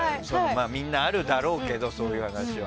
みんなあるだろうけどそういう話は。